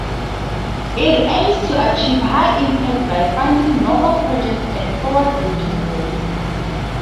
It aims to achieve high impact by funding novel projects and forward-looking leaders.